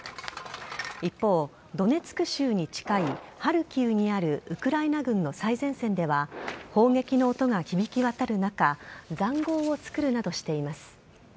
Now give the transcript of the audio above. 一方、ドネツク州に近いハルキウにあるウクライナ軍の最前線では砲撃の音が響き渡る中塹壕を作るなどしています。